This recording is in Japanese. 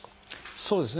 そうですね。